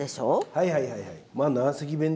はいはいはいはい。